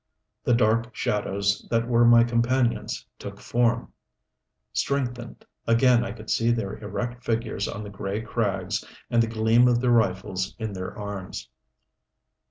The dark shadows that were my companions took form, strengthened; again I could see their erect figures on the gray crags and the gleam of their rifles in their arms.